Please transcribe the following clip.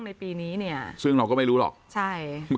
ในปีนี้เนี่ย